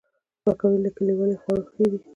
پکورې له کلیوالي خواړو ښې دي